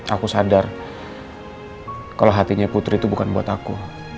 aku sadar kalau hatinya putri itu bukan buat aku